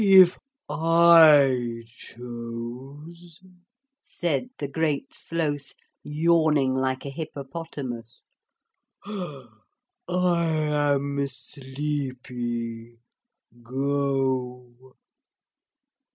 'If I chose,' said the Great Sloth, yawning like a hippopotamus. 'I am sleepy. Go!'